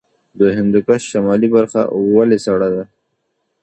د هندوکش شمالي برخه ولې سړه ده؟